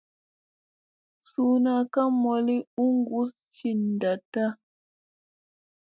Suuna ka mooli u gussa ci danda.